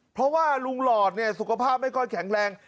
เพราะว่าลุงหลอดเนี่ยสุขภาพไม่ค่อยแข็งแรง